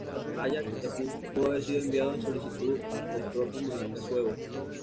Ajax pudo haber sido enviado en solicitud del propio monarca suevo.